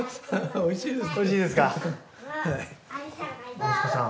おいしいですね。